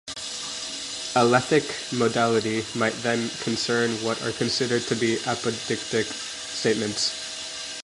Alethic modality might then concern what are considered to be apodictic statements.